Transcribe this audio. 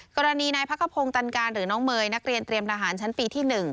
กรณีนายพักขพงศ์ตันการหรือน้องเมย์นักเรียนเตรียมทหารชั้นปีที่๑